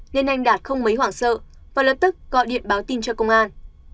nên anh đạt không mấy hoảng sợ và lập tức gọi điện báo tin cho công an